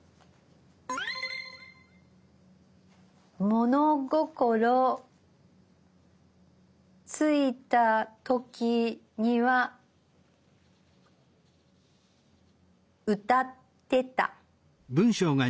物心ついた時には歌ってた。